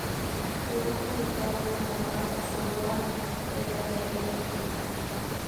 Se encuentra ubicada en la comarca zamorana de la Tierra del Pan.